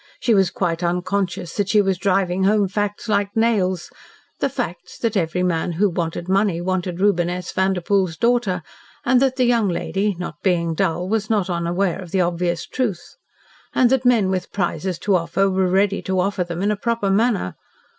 She was quite unconscious that she was driving home facts like nails the facts that every man who wanted money wanted Reuben S. Vanderpoel's daughter and that the young lady, not being dull, was not unaware of the obvious truth! And that men with prizes to offer were ready to offer them in a proper manner.